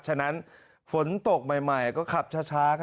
ฉะนั้นฝนตกใหม่ก็ขับช้ากันหน่อย